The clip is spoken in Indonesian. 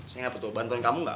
saya gak butuh bantuan kamu